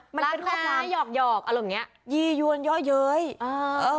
มันเป็นข้อความหยอกหยอกอะไรอย่างเงี้ยยี่ยวนย่อเย้ยเออเออ